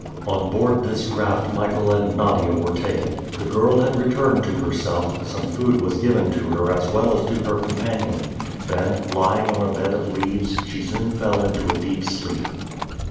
On board this raft Michael and Nadia were taken. The girl had returned to herself; some food was given to her as well as to her companion. Then, lying on a bed of leaves, she soon fell into a deep sleep.